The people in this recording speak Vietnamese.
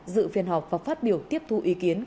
dự phiên họp và phát biểu tiếp thu ý kiến